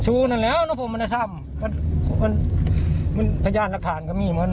สู้นั่นแล้วแล้วผมไม่ได้ทำมันมันมันพญาณรักฐานกันมีเหมือน